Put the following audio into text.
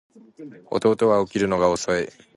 弟は起きるのが遅い